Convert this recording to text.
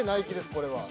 これは。